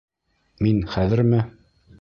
Мин хәҙерме...